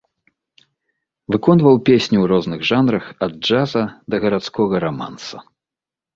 Выконваў песні ў розных жанрах ад джаза да гарадскога раманса.